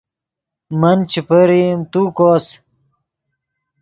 من چے پرئیم تو کوس